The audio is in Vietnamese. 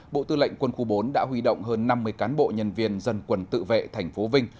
bộ tư lệnh quân khu bốn đã huy động hơn năm mươi cán bộ nhân viên dân quân tự vệ tp vinh